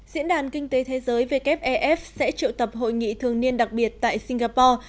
diễn đàn kinh tế thế giới wef sẽ triệu tập hội nghị thường niên đặc biệt tại singapore